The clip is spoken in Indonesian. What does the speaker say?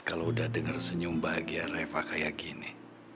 kalo udah denger senyum bahagia reva kayak gini